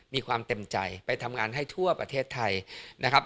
มีความเต็มใจไปทำงานให้ทั่วประเทศไทยนะครับ